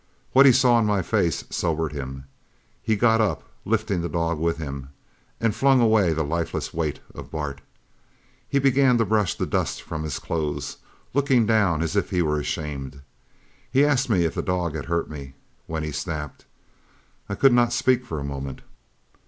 What he saw in my face sobered him. He got up, lifting the dog with him, and flung away the lifeless weight of Bart. He began to brush the dust from his clothes, looking down as if he were ashamed. He asked me if the dog had hurt me when he snapped. I could not speak for a moment.